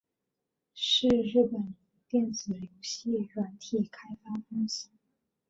是日本电子游戏软体开发公司。